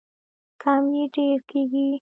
کم یې ډیر کیږي.